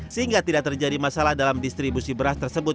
sehingga tidak terjadi masalah dalam distribusi beras tersebut